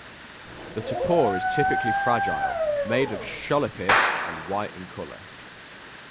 The topor is typically fragile, made of sholapith and white in colour.